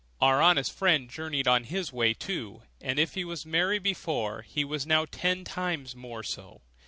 Our honest friend journeyed on his way too; and if he was merry before, he was now ten times more so.